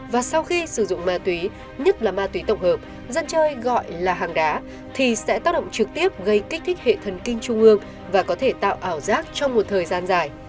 và sau khi sử dụng ma túy nhất là ma túy tổng hợp dân chơi gọi là hàng đá thì sẽ tác động trực tiếp gây kích thích hệ thần kinh trung ương và có thể tạo ảo giác trong một thời gian dài